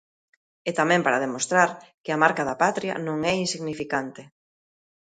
E tamén para demostrar que a marca da patria non é insignificante.